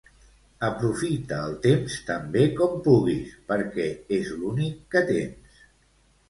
Aprofita el temps tan bé com puguis perquè és l'únic que tens